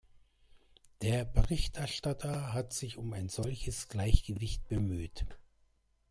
Der Berichterstatter hat sich um ein solches Gleichgewicht bemüht.